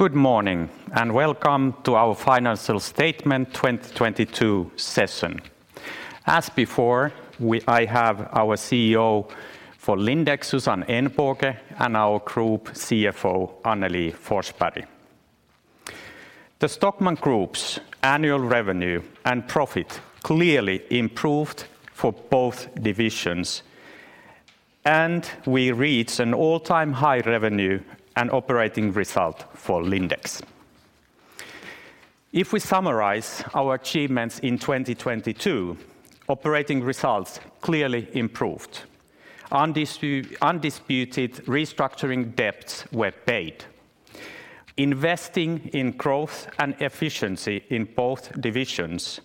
Good morning, and welcome to our financial statement 2022 session. As before, I have our CEO for Lindex, Susanne Ehnbåge, and our Group CFO, Annelie Forsberg. The Stockmann Group's annual revenue and profit clearly improved for both divisions, and we reached an all-time high revenue and operating result for Lindex. If we summarize our achievements in 2022, operating results clearly improved. Undisputed restructuring debts were paid. Investing in growth and efficiency in both divisions,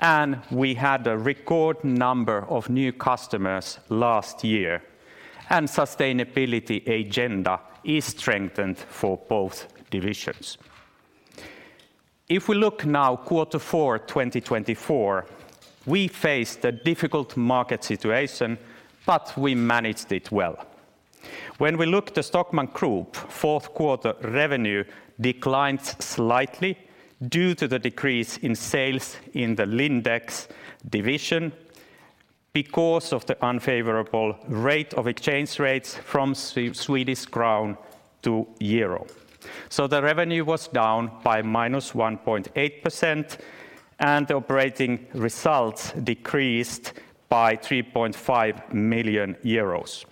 and we had a record number of new customers last year, and sustainability agenda is strengthened for both divisions. If we look now Q4, 2024, we faced a difficult market situation, but we managed it well. When we look at the Stockmann Group, fourth quarter revenue declined slightly due to the decrease in sales in the Lindex division because of the unfavorable rate of exchange rates from SEK to EUR. The revenue was down by -1.8%, and operating results decreased by 3.5 million euros.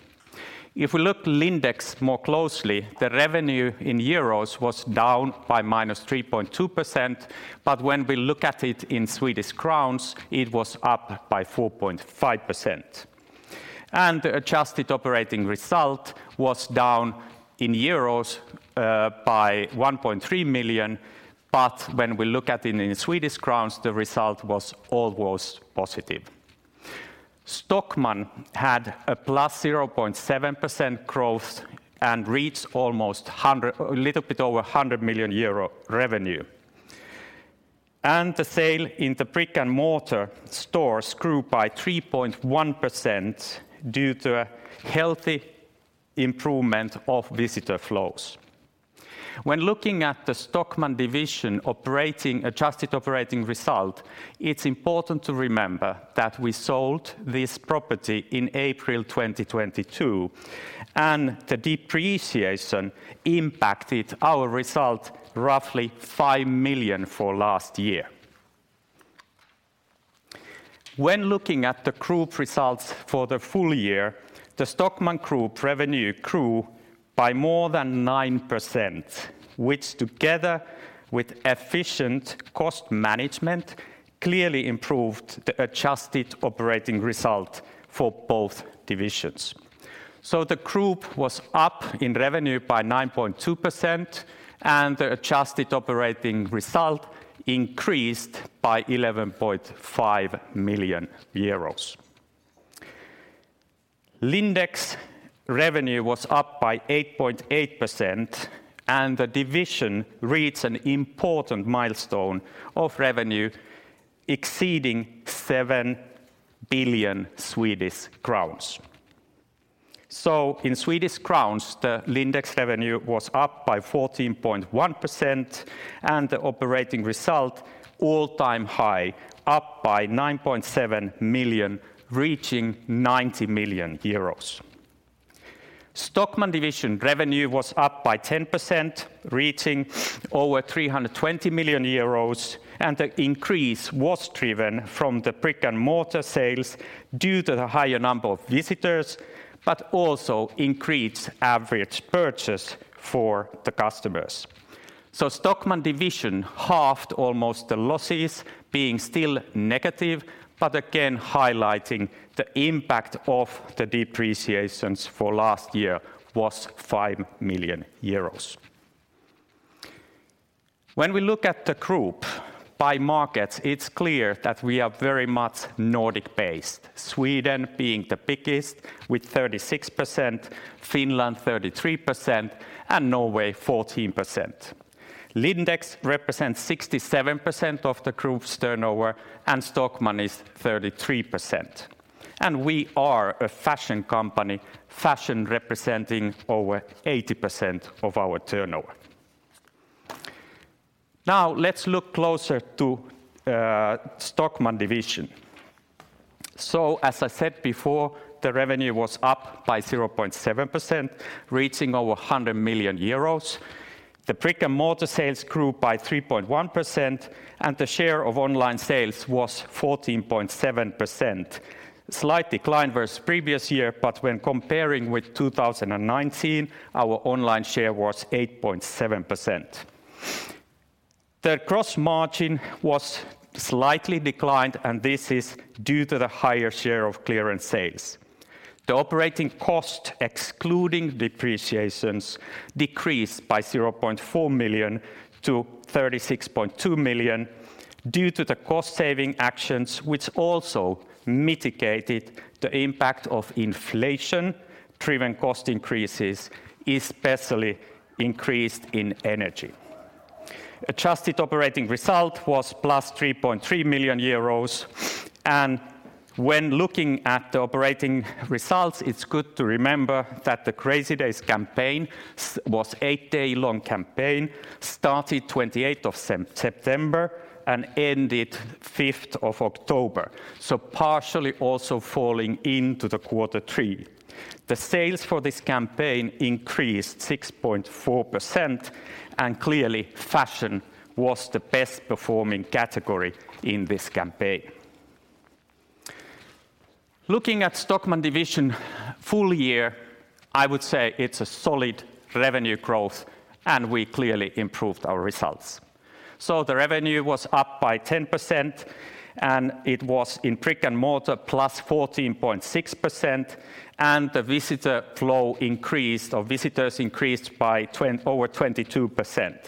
If we look Lindex more closely, the revenue in euros was down by -3.2%, but when we look at it in Swedish crowns, it was up by 4.5%. adjusted operating result was down in euros by 1.3 million, but when we look at it in Swedish crowns, the result was almost positive. Stockmann had a +0.7% growth and reached a little bit over 100 million euro revenue. The sale in the brick-and-mortar stores grew by 3.1% due to a healthy improvement of visitor flows. When looking at the Stockmann division operating, adjusted operating result, it's important to remember that we sold this property in April 2022, and the depreciation impacted our result roughly 5 million for last year. When looking at the group results for the full year, the Stockmann Group revenue grew by more than 9%, which together with efficient cost management, clearly improved the adjusted operating result for both divisions. The group was up in revenue by 9.2%, and the adjusted operating result increased by 11.5 million euros. Lindex revenue was up by 8.8%, and the division reached an important milestone of revenue exceeding 7 billion. In Swedish crowns, the Lindex revenue was up by 14.1%, and the operating result all-time high, up by 9.7 million, reaching 90 million euros. Stockmann division revenue was up by 10%, reaching over 300 million euros, the increase was driven from the brick-and-mortar sales due to the higher number of visitors, but also increased average purchase for the customers. Stockmann division halved almost the losses, being still negative, but again highlighting the impact of the depreciations for last year was 5 million euros. When we look at the group by markets, it's clear that we are very much Nordic-based, Sweden being the biggest with 36%, Finland 33%, and Norway 14%. Lindex represents 67% of the group's turnover, Stockmann is 33%. We are a fashion company, fashion representing over 80% of our turnover. Now, let's look closer to Stockmann division. As I said before, the revenue was up by 0.7%, reaching over 100 million euros. The brick-and-mortar sales grew by 3.1%. The share of online sales was 14.7%. Slight decline versus previous year. When comparing with 2019, our online share was 8.7%. The gross margin was slightly declined. This is due to the higher share of clearance sales. The operating cost, excluding depreciations, decreased by 0.4 million to 36.2 million due to the cost-saving actions which also mitigated the impact of inflation-driven cost increases, especially increase in energy. Adjusted operating result was +3.3 million euros. When looking at the operating results, it's good to remember that the Crazy Days campaign was 8-day-long campaign, started 28th of September and ended 5th of October. Partially also falling into the quarter three. The sales for this campaign increased 6.4%. Clearly, fashion was the best performing category in this campaign. Looking at Stockmann Division full year, I would say it's a solid revenue growth. We clearly improved our results. The revenue was up by 10%. It was in brick-and-mortar, +14.6%. The visitor flow increased, or visitors increased by over 22%.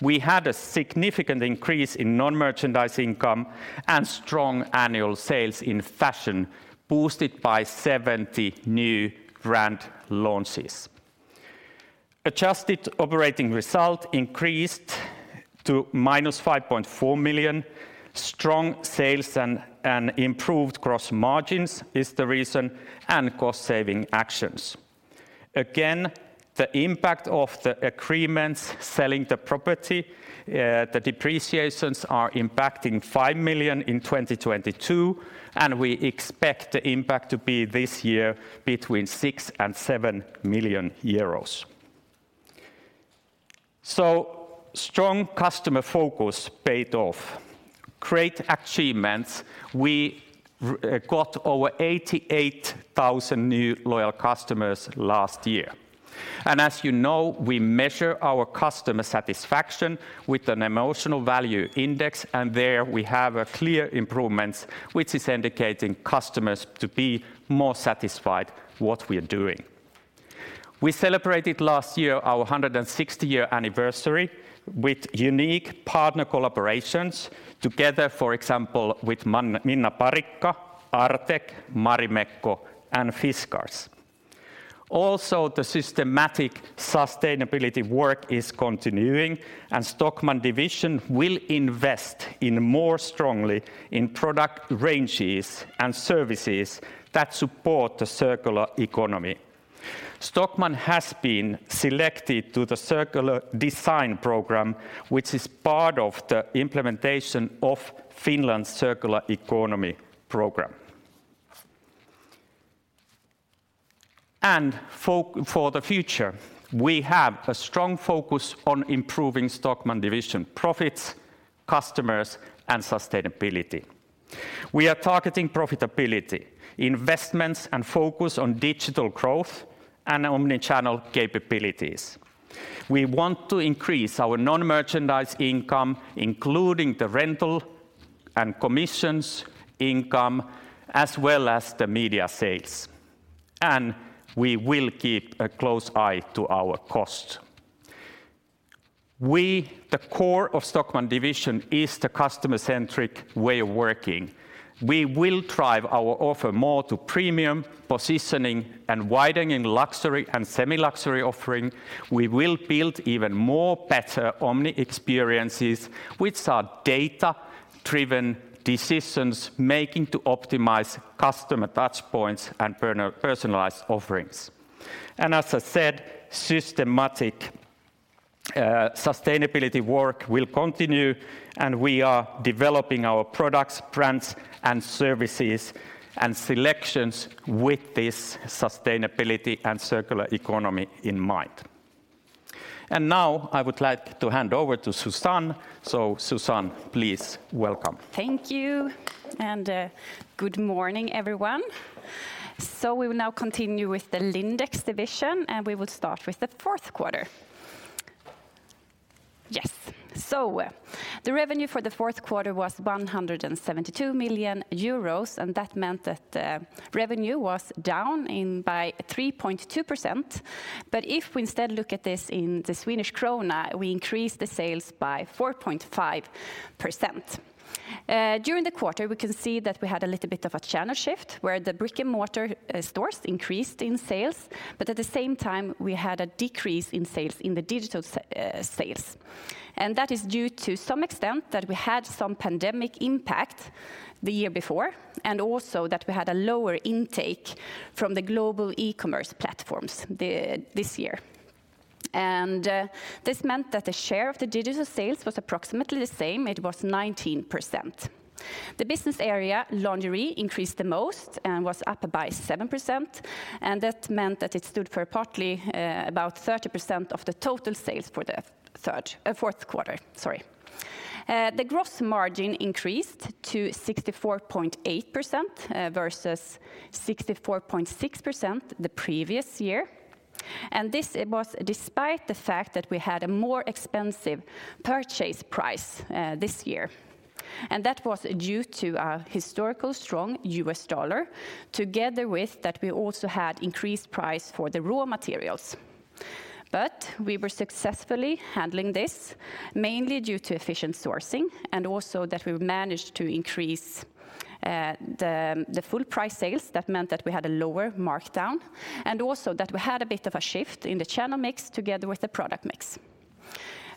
We had a significant increase in non-merchandise income and strong annual sales in fashion, boosted by 70 new brand launches. Adjusted operating result increased to -5.4 million. Strong sales and improved gross margins is the reason, and cost saving actions. Again, the impact of the agreements selling the property, the depreciations are impacting 5 million in 2022. We expect the impact to be this year between 6 million and 7 million euros. Strong customer focus paid off. Great achievements. We got over 88,000 new loyal customers last year. As you know, we measure our customer satisfaction with an Emotional Value Index, and there we have a clear improvements, which is indicating customers to be more satisfied what we're doing. We celebrated last year, our 160 year anniversary with unique partner collaborations together, for example, with Minna Parikka, Artek, Marimekko, and Fiskars. The systematic sustainability work is continuing, and Stockmann Division will invest in more strongly in product ranges and services that support the circular economy. Stockmann has been selected to the Circular Design Programme, which is part of the implementation of Finland's Circular Economy Programme. For the future, we have a strong focus on improving Stockmann Division profits, customers, and sustainability. We are targeting profitability, investments, and focus on digital growth and omnichannel capabilities. We want to increase our non-merchandise income, including the rental and commissions income, as well as the media sales. We will keep a close eye to our cost. The core of Stockmann division is the customer-centric way of working. We will drive our offer more to premium positioning and widening luxury and semi-luxury offering. We will build even more better omni-experiences, which are data-driven decisions making to optimize customer touch points and personalized offerings. As I said, systematic sustainability work will continue, and we are developing our products, brands, and services, and selections with this sustainability and circular economy in mind. Now, I would like to hand over to Susanne. Susanne, please, welcome. Thank you. Good morning, everyone. We will now continue with the Lindex division, and we will start with the fourth quarter. Yes. The revenue for the fourth quarter was 172 million euros, and that meant that revenue was down in by 3.2%. If we instead look at this in the Swedish krona, we increased the sales by 4.5%. During the quarter, we can see that we had a little bit of a channel shift where the brick-and-mortar stores increased in sales, but at the same time, we had a decrease in sales in the digital sales. That is due to some extent that we had some pandemic impact the year before, and also that we had a lower intake from the global e-commerce platforms the, this year. This meant that the share of the digital sales was approximately the same. It was 19%. The business area lingerie increased the most and was up by 7%, and that meant that it stood for partly about 30% of the total sales for the fourth quarter. The gross margin increased to 64.8% versus 64.6% the previous year. This was despite the fact that we had a more expensive purchase price this year. That was due to a historical strong US dollar, together with that we also had increased price for the raw materials. We were successfully handling this, mainly due to efficient sourcing, and also that we managed to increase the full price sales. That meant that we had a lower markdown. Also that we had a bit of a shift in the channel mix together with the product mix.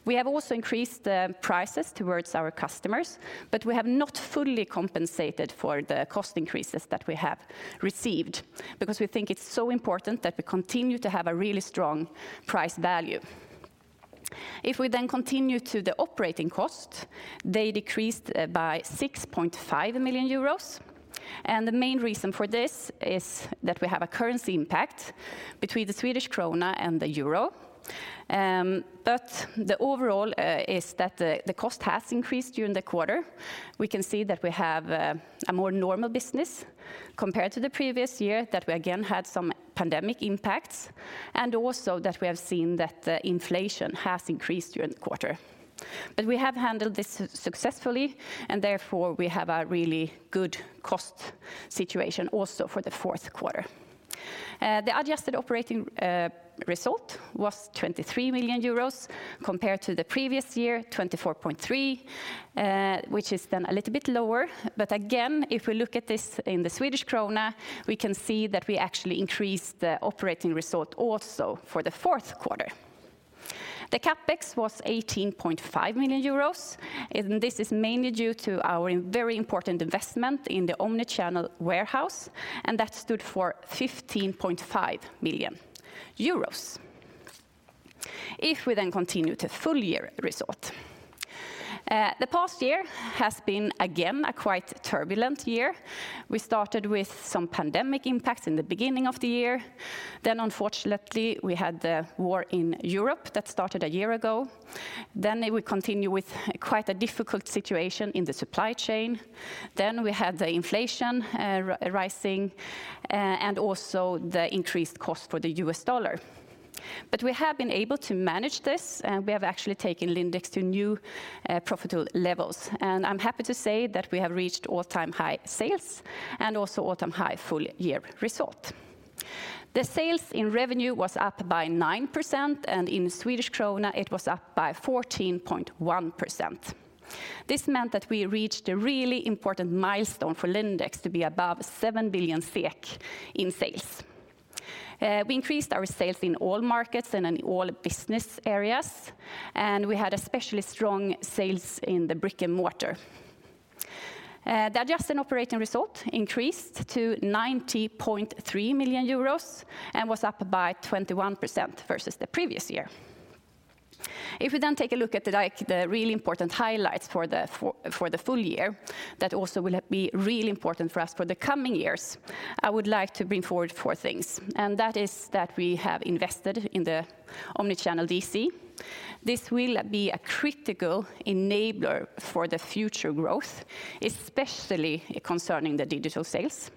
We have also increased the prices towards our customers, but we have not fully compensated for the cost increases that we have received, because we think it's so important that we continue to have a really strong price value. If we then continue to the operating cost, they decreased by 6.5 million euros, and the main reason for this is that we have a currency impact between the Swedish krona and the euro. The overall is that the cost has increased during the quarter. We can see that we have a more normal business compared to the previous year, that we again had some pandemic impacts, and also that we have seen that the inflation has increased during the quarter. We have handled this successfully, and therefore we have a really good cost situation also for the fourth quarter. The adjusted operating result was 23 million euros compared to the previous year, 24.3 million, which is a little bit lower. Again, if we look at this in the Swedish krona, we can see that we actually increased the operating result also for the fourth quarter. The CapEx was 18.5 million euros, and this is mainly due to our very important investment in the omnichannel warehouse, and that stood for 15.5 million euros. If we continue to full year result. The past year has been again a quite turbulent year. We started with some pandemic impacts in the beginning of the year. Unfortunately, we had the war in Europe that started a year ago. It would continue with quite a difficult situation in the supply chain. We had the inflation rising and also the increased cost for the US dollar. We have been able to manage this, and we have actually taken Lindex to new profitable levels. I'm happy to say that we have reached all-time high sales and also all-time high full year result. The sales in revenue was up by 9%, and in SEK it was up by 14.1%. This meant that we reached a really important milestone for Lindex to be above 7 billion SEK in sales. We increased our sales in all markets and in all business areas, and we had especially strong sales in the brick-and-mortar. The adjusted operating result increased to 90.3 million euros and was up by 21% versus the previous year. If we then take a look at, like, the really important highlights for the full year, that also will be really important for us for the coming years, I would like to bring forward four things, that is that we have invested in the omnichannel DC. This will be a critical enabler for the future growth, especially concerning the digital sales.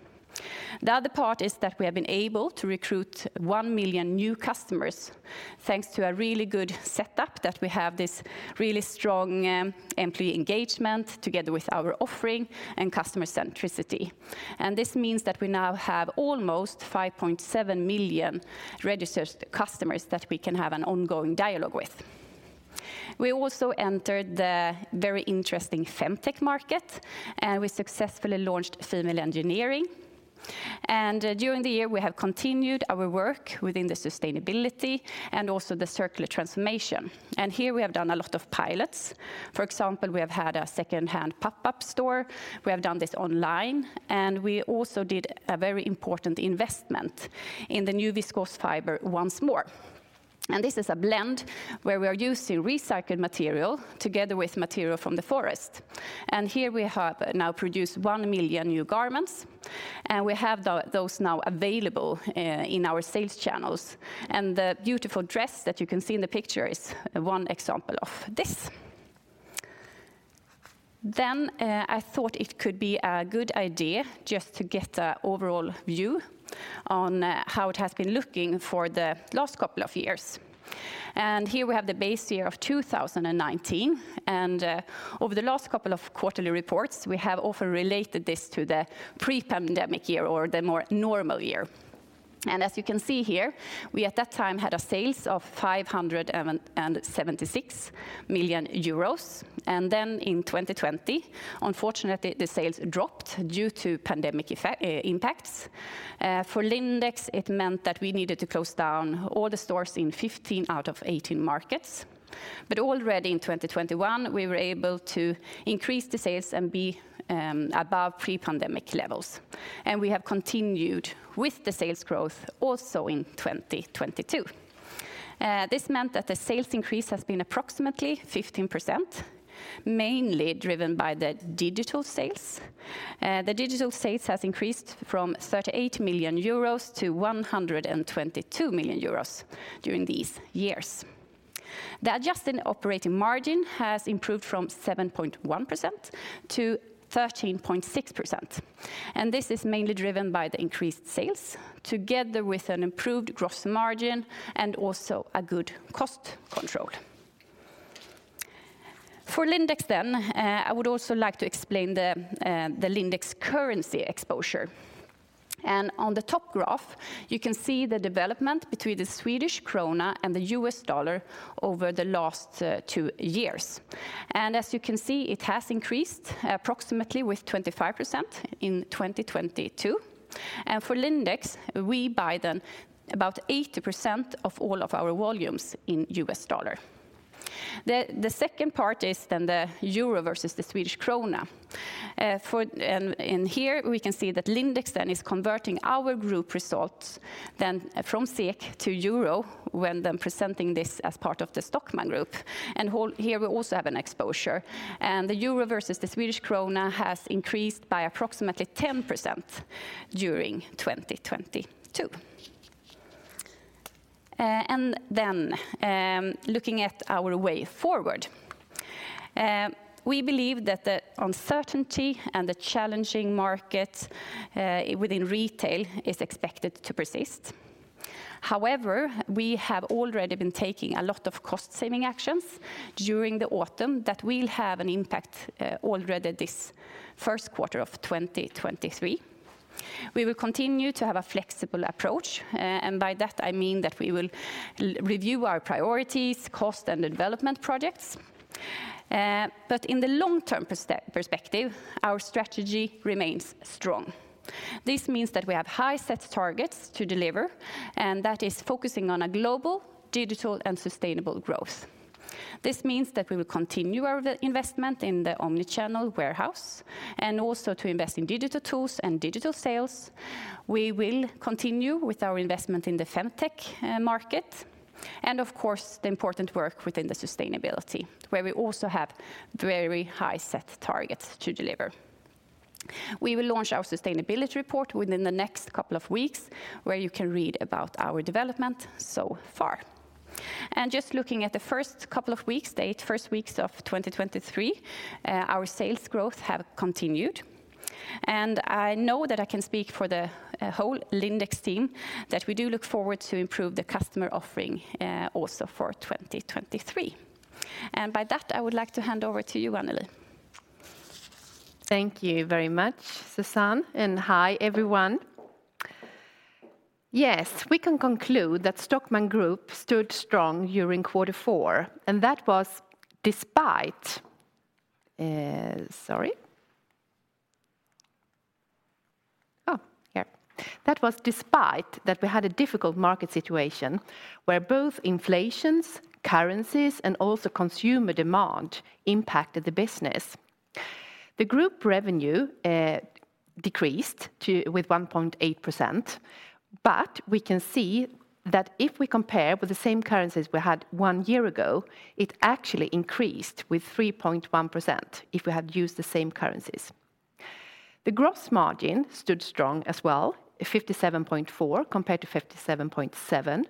The other part is that we have been able to recruit 1 million new customers thanks to a really good setup that we have this really strong employee engagement together with our offering and customer centricity. This means that we now have almost 5.7 million registered customers that we can have an ongoing dialogue with. We also entered the very interesting femtech market, and we successfully launched Female Engineering. During the year, we have continued our work within the sustainability and also the circular transformation. Here we have done a lot of pilots. For example, we have had a second-hand pop-up store, we have done this online, and we also did a very important investment in the new viscose fiber OnceMore. This is a blend where we are using recycled material together with material from the forest. Here we have now produced 1 million new garments, and we have those now available in our sales channels. The beautiful dress that you can see in the picture is one example of this. I thought it could be a good idea just to get a overall view on how it has been looking for the last couple of years. Here we have the base year of 2019, over the last couple of quarterly reports, we have often related this to the pre-pandemic year or the more normal year. As you can see here, we at that time had a sales of 576 million euros. In 2020, unfortunately, the sales dropped due to pandemic impacts. For Lindex, it meant that we needed to close down all the stores in 15 out of 18 markets. Already in 2021, we were able to increase the sales and be above pre-pandemic levels. We have continued with the sales growth also in 2022. This meant that the sales increase has been approximately 15%, mainly driven by the digital sales. The digital sales has increased from 38 million euros to 122 million euros during these years. The adjusted operating margin has improved from 7.1% to 13.6%. This is mainly driven by the increased sales together with an improved gross margin and also a good cost control. For Lindex, I would also like to explain the Lindex currency exposure. On the top graph, you can see the development between the Swedish krona and the US dollar over the last two years. As you can see, it has increased approximately with 25% in 2022. For Lindex, we buy then about 80% of all of our volumes in US dollar. The second part is then the euro versus the Swedish krona. Here we can see that Lindex then is converting our group results then from SEK to euro when then presenting this as part of the Stockmann Group. Here we also have an exposure. The euro versus the Swedish krona has increased by approximately 10% during 2022. Looking at our way forward. We believe that the uncertainty and the challenging market within retail is expected to persist. However, we have already been taking a lot of cost-saving actions during the autumn that will have an impact already this first quarter of 2023. We will continue to have a flexible approach, and by that I mean that we will review our priorities, cost, and development projects. In the long-term perspective, our strategy remains strong. This means that we have high set targets to deliver, and that is focusing on a global, digital, and sustainable growth. This means that we will continue our investment in the omnichannel warehouse, and also to invest in digital tools and digital sales. We will continue with our investment in the femtech market, and of course, the important work within the sustainability, where we also have very high set targets to deliver. We will launch our sustainability report within the next couple of weeks, where you can read about our development so far. Just looking at the first couple of weeks, the eight first weeks of 2023, our sales growth have continued. I know that I can speak for the whole Lindex team that we do look forward to improve the customer offering, also for 2023. By that, I would like to hand over to you, Annelie. Thank you very much, Susanne. Hi, everyone. Yes, we can conclude that Stockmann Group stood strong during quarter four, that was despite that we had a difficult market situation where both inflations, currencies, and also consumer demand impacted the business. The group revenue decreased with 1.8%, but we can see that if we compare with the same currencies we had one year ago, it actually increased with 3.1% if we had used the same currencies. The gross margin stood strong as well, at 57.4% compared to 57.7%.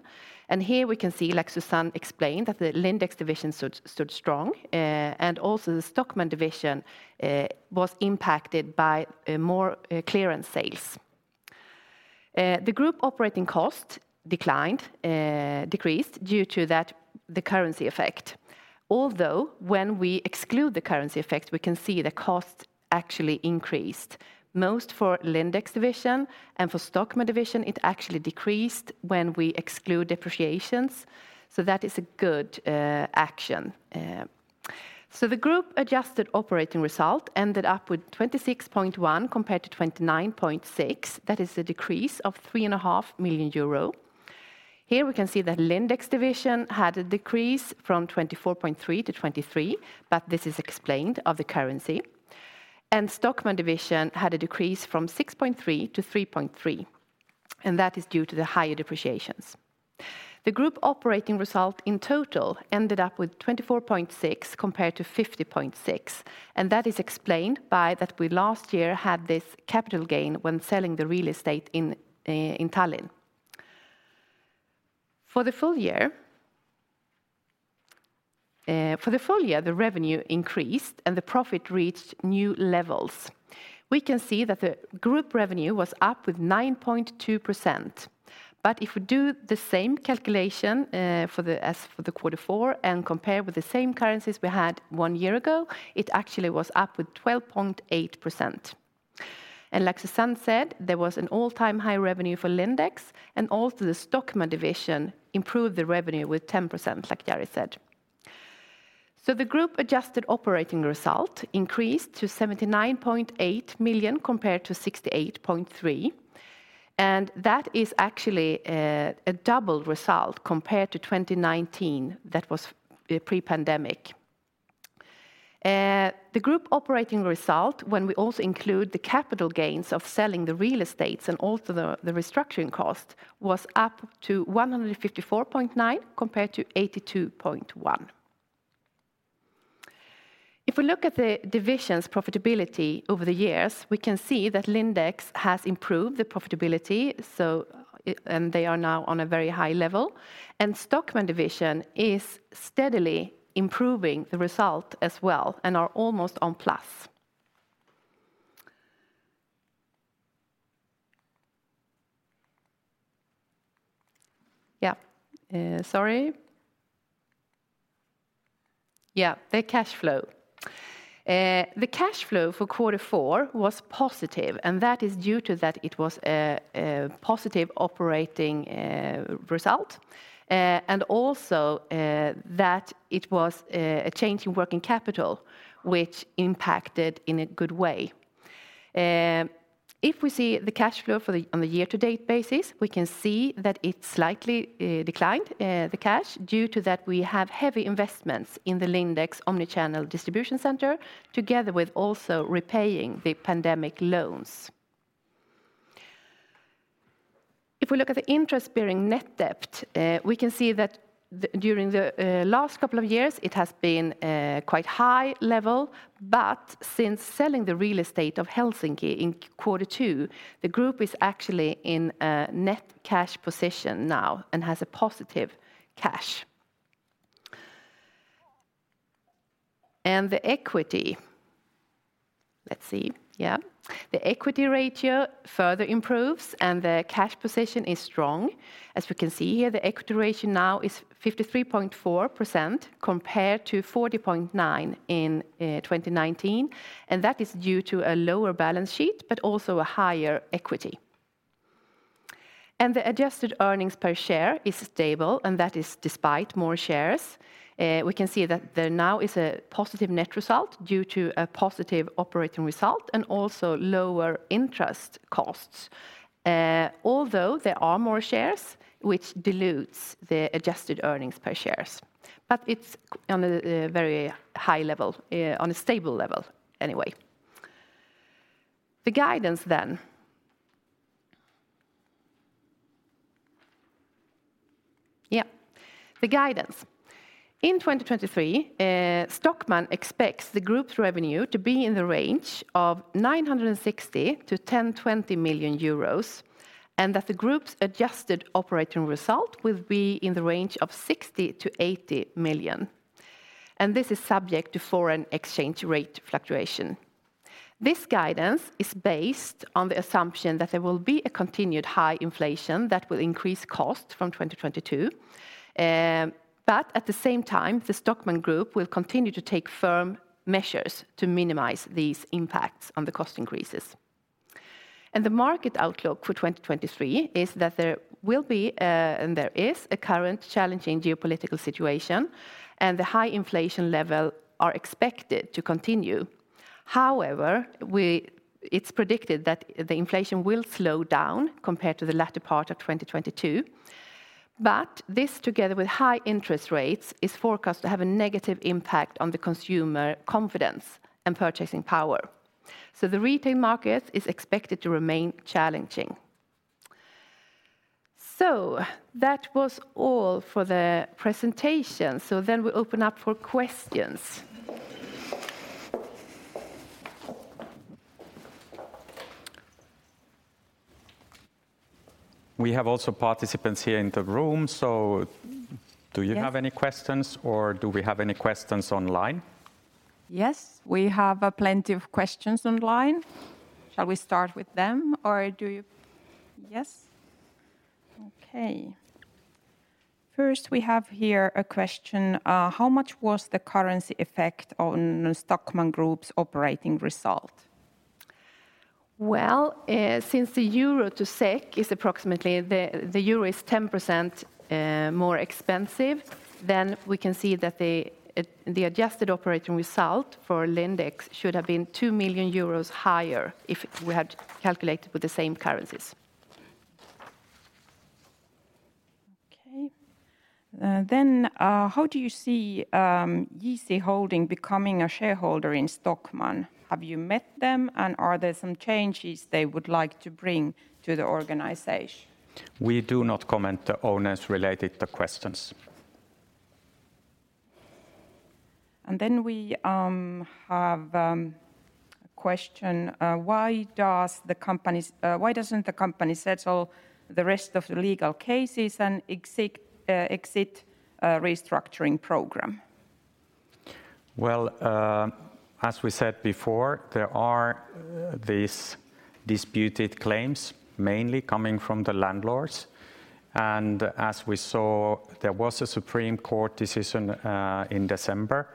Here we can see, like Susanne explained, that the Lindex division stood strong, and also the Stockmann division was impacted by more clearance sales. The group operating cost declined, decreased due to that, the currency effect. When we exclude the currency effect, we can see the cost actually increased. Most for Lindex division and for Stockmann division, it actually decreased when we exclude depreciations. That is a good action. The group adjusted operating result ended up with 26.1 compared to 29.6. That is a decrease of three and a half million EUR. Here we can see that Lindex division had a decrease from 24.3 to 23, but this is explained of the currency. Stockmann division had a decrease from 6.3 to 3.3, and that is due to the higher depreciations. The group operating result in total ended up with 24.6 compared to 50.6, and that is explained by that we last year had this capital gain when selling the real estate in Tallinn. For the full year, the revenue increased and the profit reached new levels. We can see that the group revenue was up with 9.2%. If we do the same calculation as for the Q4 and compare with the same currencies we had one year ago, it actually was up with 12.8%. Like Susanne said, there was an all-time high revenue for Lindex, and also the Stockmann division improved the revenue with 10%, like Jari said. The group adjusted operating result increased to 79.8 million compared to 68.3. That is actually a double result compared to 2019. That was pre-pandemic. The group operating result when we also include the capital gains of selling the real estates and also the restructuring cost was up to 154.9 compared to 82.1. If we look at the division's profitability over the years, we can see that Lindex has improved the profitability, so, and they are now on a very high level. Stockmann division is steadily improving the result as well and are almost on plus. Sorry. The cash flow. The cash flow for quarter four was positive, that is due to that it was a positive operating result, and also that it was a change in working capital which impacted in a good way. If we see the cash flow on the year-to-date basis, we can see that it slightly declined the cash due to that we have heavy investments in the Lindex omnichannel distribution center together with also repaying the pandemic loans. If we look at the interest-bearing net debt, we can see that during the last couple of years it has been quite high level. Since selling the real estate of Helsinki in quarter two, the group is actually in a net cash position now and has a positive cash. The equity. The equity ratio further improves. The cash position is strong. As we can see here, the equity ratio now is 53.4% compared to 40.9% in 2019, and that is due to a lower balance sheet but also a higher equity. The adjusted earnings per share is stable, and that is despite more shares. We can see that there now is a positive net result due to a positive operating result and also lower interest costs, although there are more shares which dilutes the adjusted earnings per share. It's on a very high level, on a stable level anyway. The guidance then. Yeah. The guidance. In 2023, Stockmann expects the group's revenue to be in the range of 960 million-1,020 million euros, and that the group's adjusted operating result will be in the range of 60 million-80 million, and this is subject to foreign exchange rate fluctuation. This guidance is based on the assumption that there will be a continued high inflation that will increase costs from 2022, but at the same time, the Stockmann Group will continue to take firm measures to minimize these impacts on the cost increases. The market outlook for 2023 is that there will be, and there is a current challenging geopolitical situation and the high inflation level are expected to continue. However, it's predicted that the inflation will slow down compared to the latter part of 2022. This together with high interest rates is forecast to have a negative impact on the consumer confidence and purchasing power, so the retail market is expected to remain challenging. That was all for the presentation, so then we open up for questions. We have also participants here in the room. Yes... have any questions, or do we have any questions online? Yes, we have plenty of questions online. Shall we start with them, or do you? Yes. Okay. First, we have here a question. How much was the currency effect on Stockmann Group's operating result? Since the euro to SEK is approximately the euro is 10% more expensive, then we can see that the adjusted operating result for Lindex should have been 2 million euros higher if we had calculated with the same currencies. How do you see JC Holding becoming a shareholder in Stockmann? Have you met them, and are there some changes they would like to bring to the organization? We do not comment the owners related to questions. Then we have a question. Why doesn't the company settle the rest of the legal cases and exit a restructuring program? Well, as we said before, there are these disputed claims mainly coming from the landlords. As we saw, there was a Supreme Court decision in December,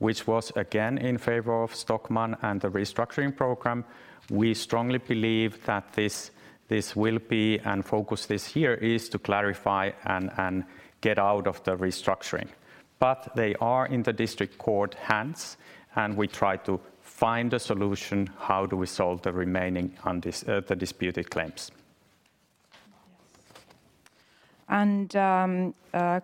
which was again in favor of Stockmann and the restructuring program. We strongly believe that this will be and focus this year is to clarify and get out of the restructuring. They are in the district court hands, and we try to find a solution how do we solve the remaining the disputed claims. Yes.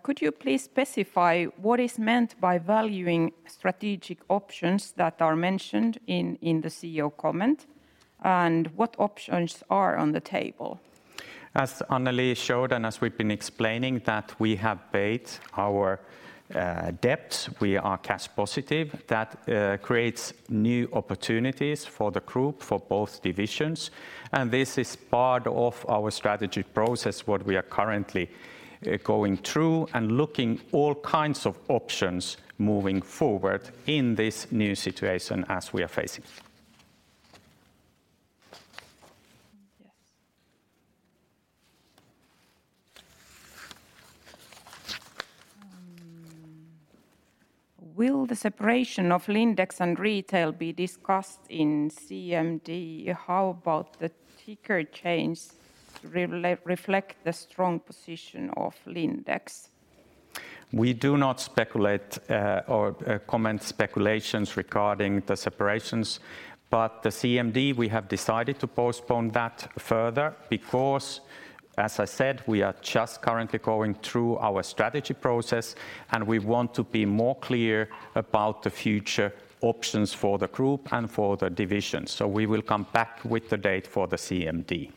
Could you please specify what is meant by valuing strategic options that are mentioned in the CEO comment, and what options are on the table? As Annelie showed and as we've been explaining that we have paid our debts, we are cash positive. That creates new opportunities for the group, for both divisions, and this is part of our strategy process what we are currently going through and looking all kinds of options moving forward in this new situation as we are facing. Yes. Will the separation of Lindex and retail be discussed in CMD? How about the ticker change reflect the strong position of Lindex? We do not speculate or comment speculations regarding the separations, but the CMD, we have decided to postpone that further because, as I said, we are just currently going through our strategy process, and we want to be more clear about the future options for the group and for the division. We will come back with the date for the CMD.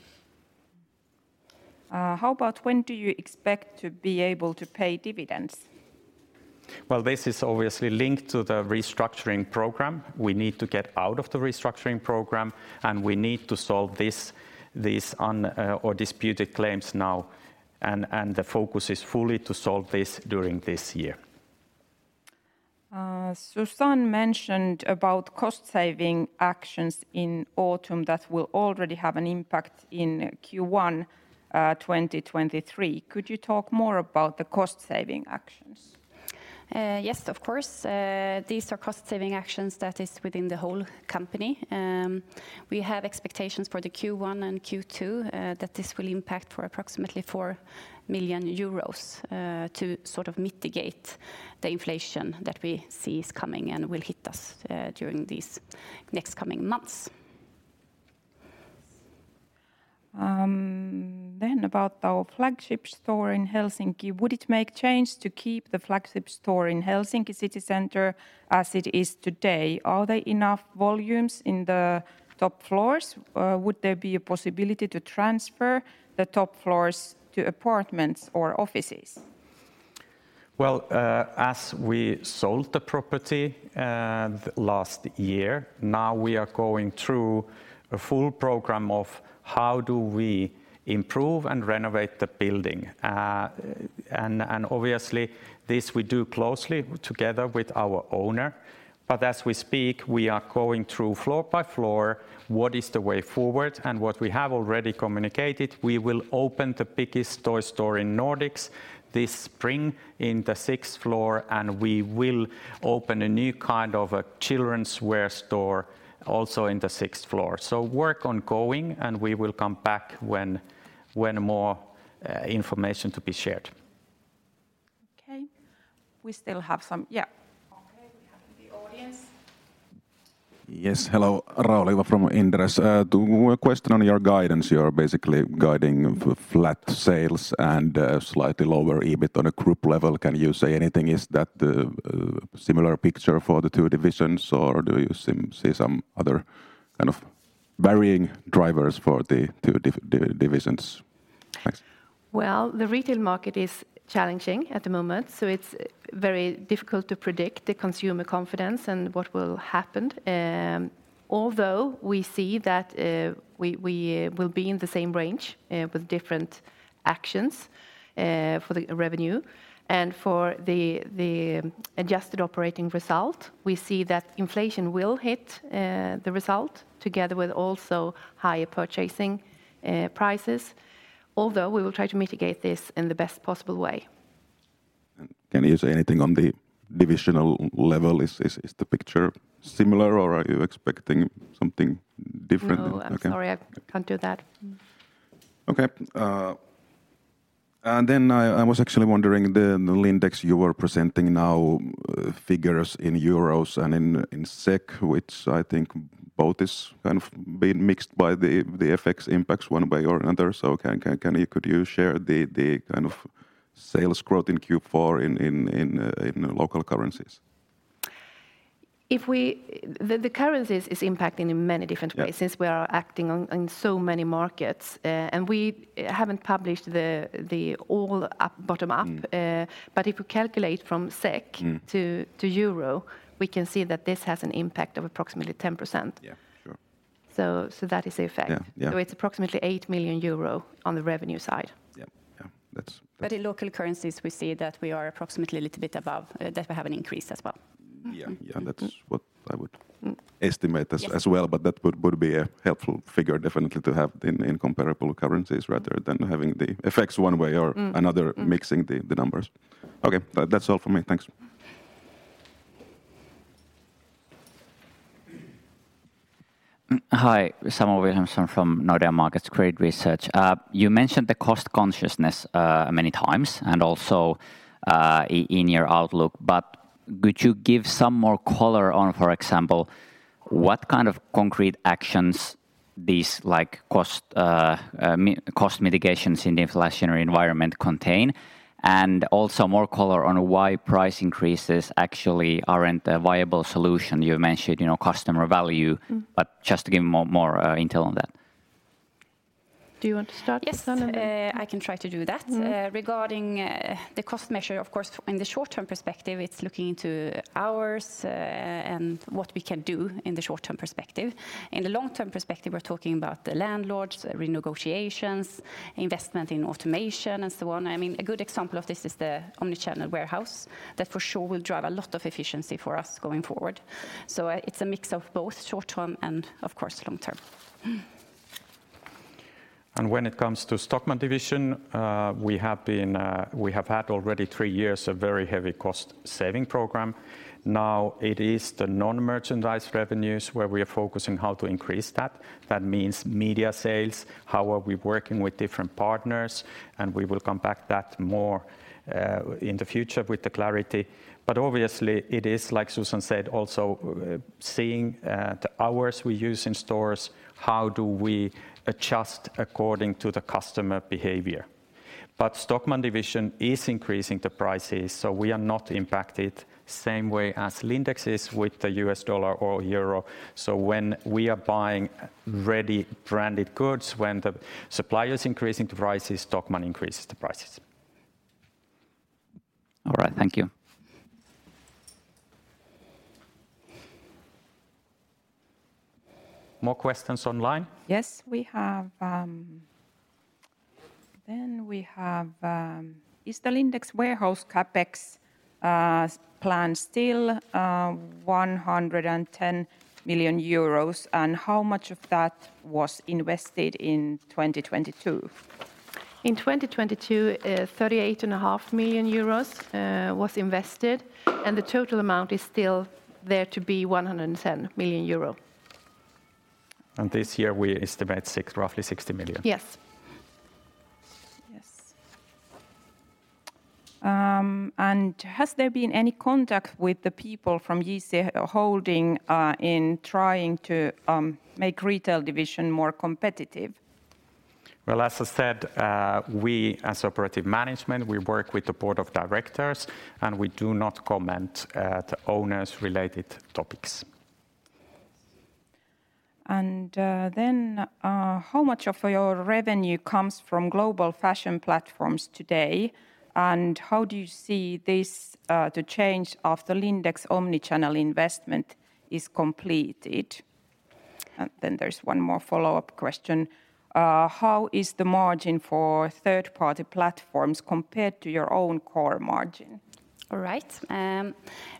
How about when do you expect to be able to pay dividends? This is obviously linked to the restructuring program. We need to get out of the restructuring program, and we need to solve this or disputed claims now, and the focus is fully to solve this during this year. Susanne mentioned about cost saving actions in autumn that will already have an impact in Q1, 2023. Could you talk more about the cost saving actions? Yes, of course. These are cost-saving actions that is within the whole company. We have expectations for the Q1 and Q2, that this will impact for approximately 4 million euros, to sort of mitigate the inflation that we see is coming and will hit us, during these next coming months. About our flagship store in Helsinki, would it make change to keep the flagship store in Helsinki city center as it is today? Are there enough volumes in the top floors? Would there be a possibility to transfer the top floors to apartments or offices? As we sold the property last year, now we are going through a full program of how do we improve and renovate the building. Obviously this we do closely together with our owner. As we speak, we are going through floor by floor what is the way forward and what we have already communicated. We will open the biggest toy store in Nordics this spring in the sixth floor, and we will open a new kind of a children's wear store also in the sixth floor. Work ongoing, and we will come back when more information to be shared. Okay. We still have some... Yeah. Okay. We have the audience. Yes. Hello. Rauli Juva from Inderes. The question on your guidance, you're basically guiding flat sales and slightly lower EBIT on a group level. Can you say anything? Is that the similar picture for the two divisions, or do you see some other kind of varying drivers for the two divisions? Thanks. The retail market is challenging at the moment, so it's very difficult to predict the consumer confidence and what will happen. Although we see that we will be in the same range with different actions for the revenue. For the adjusted operating result, we see that inflation will hit the result together with also higher purchasing prices, although we will try to mitigate this in the best possible way. Can you say anything on the divisional level? Is the picture similar, or are you expecting something different? No. Okay. I'm sorry. I can't do that. Okay. I was actually wondering the Lindex you are presenting now figures in EUR and in SEK, which I think both is kind of been mixed by the FX impacts one way or another. Can you share the kind of sales growth in Q4 in local currencies? The currencies is impacting in many different ways. Yeah since we are acting on in so many markets. We haven't published the all up, bottom up. Mm. If we calculate from SEK. Mm to euro, we can see that this has an impact of approximately 10%. Yeah. Sure. That is the effect. Yeah. Yeah. It's approximately 8 million euro on the revenue side. Yeah. Yeah. In local currencies, we see that we are approximately a little bit above, that we have an increase as well. Yeah. Yeah. That's what I would estimate as Yeah as well, but that would be a helpful figure definitely to have in comparable currencies rather than having the effects one way or another. Mm. Mm mixing the numbers. Okay. That's all for me. Thanks. Hi. Samu Wilhelmsson from Nordea Markets Credit Research. You mentioned the cost consciousness many times and also in your outlook, could you give some more color on, for example, what kind of concrete actions these, like, cost mitigations in the inflationary environment contain, and also more color on why price increases actually aren't a viable solution. You mentioned, you know, customer value. Mm Just to give more intel on that. Do you want to start, Susanne? Yes. I can try to do that. Mm. Regarding the cost measure, of course, in the short-term perspective, it's looking into hours, and what we can do in the short-term perspective. In the long-term perspective, we're talking about the landlords, renegotiations, investment in automation, and so on. A good example of this is the omnichannel warehouse that for sure will drive a lot of efficiency for us going forward. It's a mix of both short-term and of course long-term. When it comes to Stockmann division, we have had already three years of very heavy cost saving program. Now it is the non-merchandise revenues where we are focusing how to increase that. That means media sales, how are we working with different partners, and we will come back that more in the future with the clarity. Obviously it is, like Susanne said, also, seeing the hours we use in stores, how do we adjust according to the customer behavior. Stockmann division is increasing the prices, so we are not impacted same way as Lindex is with the US dollar or euro. When we are buying ready branded goods, when the supplier is increasing the prices, Stockmann increases the prices. All right. Thank you. More questions online? Yes, we have, then we have, is the Lindex warehouse CapEx plan still 110 million euros? How much of that was invested in 2022? In 2022, thirty-eight and a half million euros was invested, and the total amount is still there to be 110 million euro. This year we estimate roughly 60 million. Yes. Yes. Has there been any contact with the people from JC Holding in trying to make retail division more competitive? As I said, we as operative management, we work with the board of directors, and we do not comment at owners related topics. How much of your revenue comes from global fashion platforms today? How do you see this the change after Lindex omnichannel investment is completed? There's one more follow-up question. How is the margin for third party platforms compared to your own core margin? All right.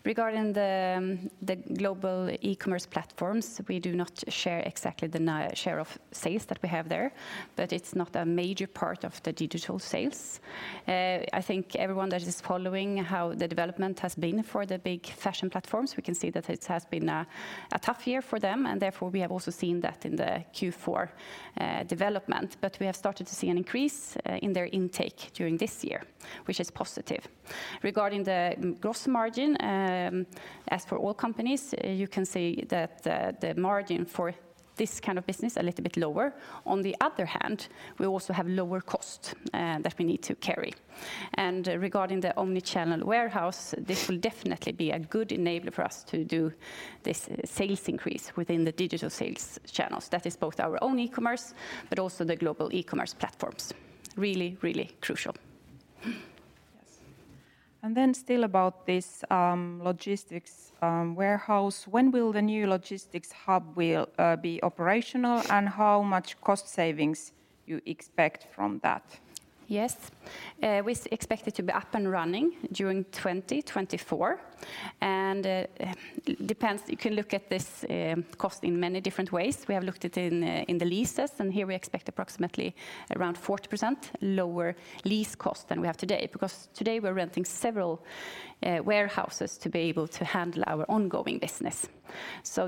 Regarding the global e-commerce platforms, we do not share exactly the share of sales that we have there. It's not a major part of the digital sales. I think everyone that is following how the development has been for the big fashion platforms, we can see that it has been a tough year for them. Therefore, we have also seen that in the Q4 development. We have started to see an increase in their intake during this year, which is positive. Regarding the gross margin, as for all companies, you can see that the margin for this kind of business a little bit lower. On the other hand, we also have lower cost that we need to carry. Regarding the omnichannel warehouse, this will definitely be a good enabler for us to do this sales increase within the digital sales channels. That is both our own e-commerce, but also the global e-commerce platforms. Really, really crucial. Yes. Still about this, logistics, warehouse, when will the new logistics hub be operational, and how much cost savings you expect from that? Yes. We expect it to be up and running during 2024. You can look at this cost in many different ways. We have looked at in the leases. Here we expect approximately around 40% lower lease cost than we have today. Today we're renting several warehouses to be able to handle our ongoing business.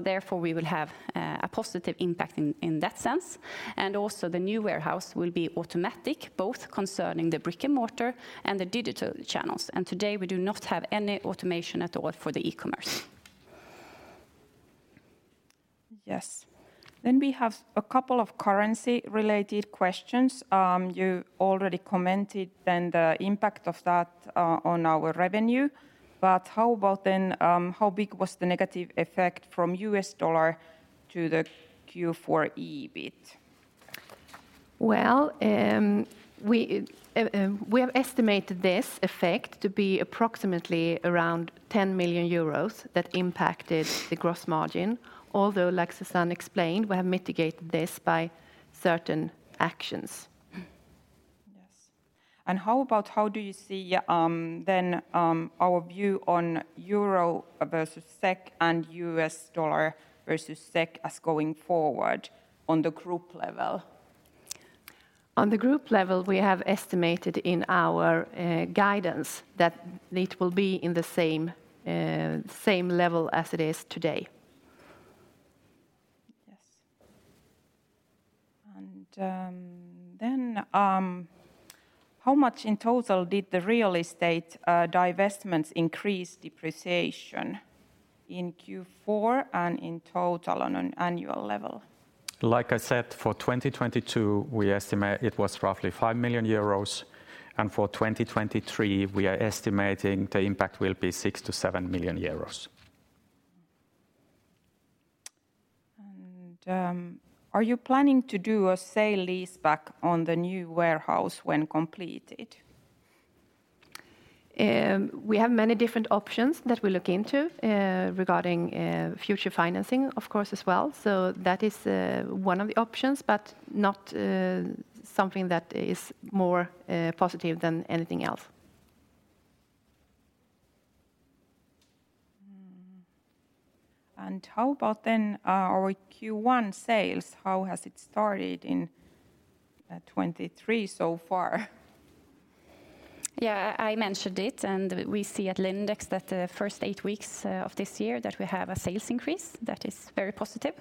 Therefore, we will have a positive impact in that sense. Also the new warehouse will be automatic, both concerning the brick-and-mortar and the digital channels. Today we do not have any automation at all for the e-commerce. Yes. We have a couple of currency related questions. You already commented then the impact of that on our revenue, but how about then, how big was the negative effect from US dollar to the Q4 EBIT? We have estimated this effect to be approximately around 10 million euros that impacted the gross margin, although like Susanne explained, we have mitigated this by certain actions. Yes. How about, how do you see, then, our view on euro versus SEK and U.S. dollar versus SEK as going forward on the group level? On the group level, we have estimated in our guidance that it will be in the same level as it is today. Yes. Then, how much in total did the real estate divestments increase depreciation in Q4 and in total on an annual level? Like I said, for 2022, we estimate it was roughly 5 million euros, and for 2023, we are estimating the impact will be 6 million to 7 million euros. Are you planning to do a sale leaseback on the new warehouse when completed? We have many different options that we look into regarding future financing of course as well. That is one of the options, but not something that is more positive than anything else. How about our Q1 sales, how has it started in 2023 so far? Yeah, I mentioned it. We see at Lindex that the first eight weeks of this year that we have a sales increase that is very positive.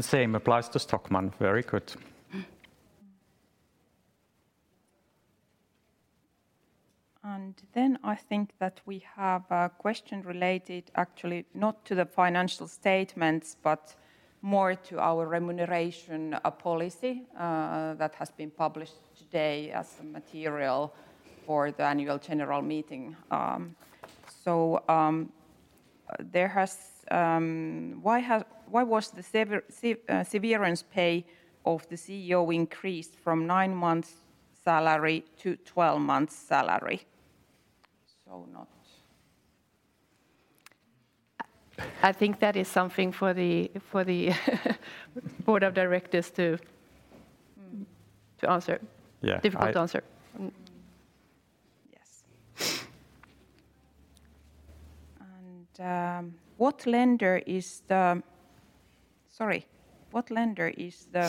Same applies to Stockmann. Very good. I think that we have a question related actually not to the financial statements, but more to our remuneration policy, that has been published today as the material for the annual general meeting. Why has, why was the severance pay of the CEO increased from 9 months salary to 12 months salary? So not. I think that is something for the board of directors. Mm. To answer. Yeah. Difficult to answer. Mm. Yes. What lender is the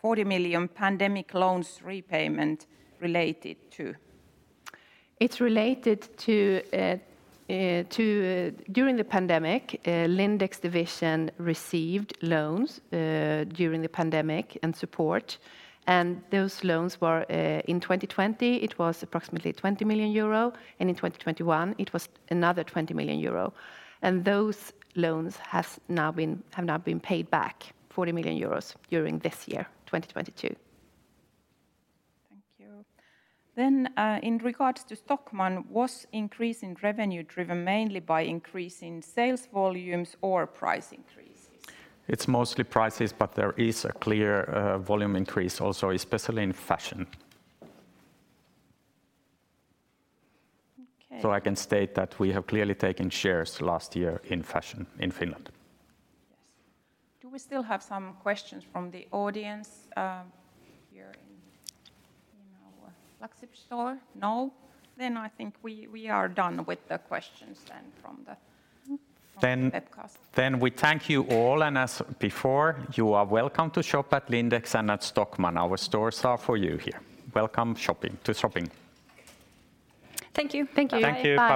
40 million pandemic loans repayment related to? It's related to. During the pandemic, Lindex division received loans during the pandemic, and support, and those loans were in 2020, it was approximately 20 million euro, and in 2021, it was another 20 million euro. Those loans have now been paid back, 40 million euros, during this year, 2022. Thank you. In regards to Stockmann, was increase in revenue driven mainly by increase in sales volumes or price increases? It's mostly prices, but there is a clear, volume increase also, especially in fashion. Okay. I can state that we have clearly taken shares last year in fashion in Finland. Yes. Do we still have some questions from the audience, here in our flagship store? No? I think we are done with the questions. Then- From the webcast. We thank you all. As before, you are welcome to shop at Lindex and at Stockmann. Our stores are for you here. Welcome to shopping. Thank you. Thank you. Thank you.